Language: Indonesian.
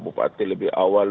bupati lebih awal